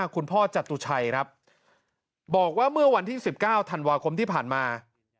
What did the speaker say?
คุณพ่อจตุชัยครับบอกว่าเมื่อวันที่๑๙ธันวาคมที่ผ่านมา